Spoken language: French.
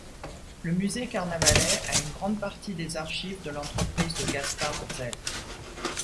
Le Musée Carnavalet a une grande partie des archives de l'entreprise de Gaspard Gsell.